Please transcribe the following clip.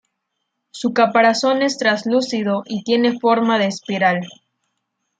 Su caparazón es traslúcido y tiene forma de espiral.